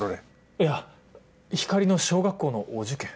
いや光莉の小学校のお受験。